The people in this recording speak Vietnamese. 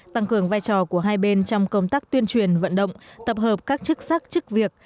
tăng cường vai trò của hai bên trong công tác tuyên truyền vận động tập hợp các chức sắc chức việc